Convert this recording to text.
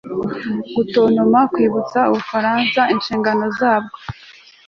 gutontoma kwibutsa ubufaransa inshingano zabwo